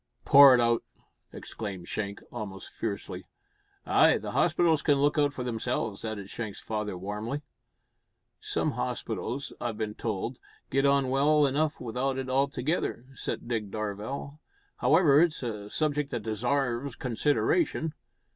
"Pour it out!" exclaimed Shank, almost fiercely. "Ay, the hospitals can look out for themselves," added Shank's father warmly. "Some hospitals, I've bin told, git on well enough without it altogether," said Dick Darvall. "However, it's a subject that desarves consideration.